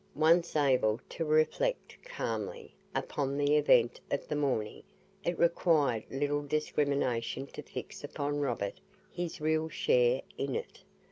Once able to reflect calmly upon the event of the morning, it required little discrimination to fix upon Robert his real share in it.